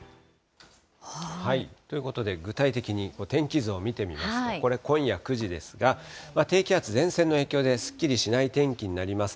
ということで、具体的に天気図を見てみますと、これ、今夜９時ですが、低気圧、前線の影響で、すっきりしない天気になります。